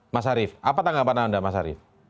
mas arief apa tanggapan anda mas arief